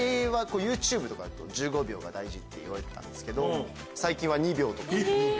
昔はＹｏｕＴｕｂｅとかだと１５秒が大事っていわれてたんですけど。